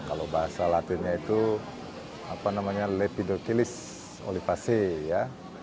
kalau bahasa latinnya itu apa namanya lepidocilis olivaceae ya